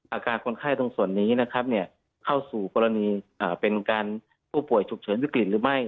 อาการคนไข้ตรงส่วนนี้นะครับเข้าสู่กรณีเป็นการผู้ป่วยฉุกเฉินวิกฤตหรือไม่